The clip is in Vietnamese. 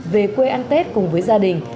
về quê ăn tết cùng với gia đình